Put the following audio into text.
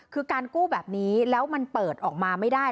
คือการกู้แบบนี้แล้วมันเปิดออกมาไม่ได้